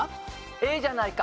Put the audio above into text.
ええじゃないか。